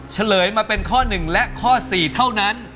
เฉลยมาเป็นข้อ๑และข้อ๔เท่านั้น